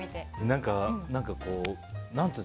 何か、こう。